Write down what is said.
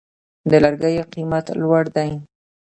د لرګیو قیمت لوړ دی؟